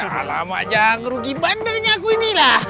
ya lama aja ngerugi bander nya aku ini lah